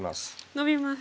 ノビます。